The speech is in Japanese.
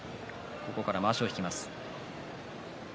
ここからまわしを引きます。